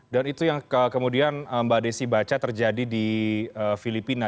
dan itu yang kemudian mbak desi baca terjadi di filipina